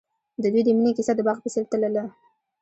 د دوی د مینې کیسه د باغ په څېر تلله.